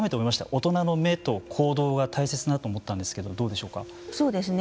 大人の目と行動が大切だと思ったんですけどそうですね。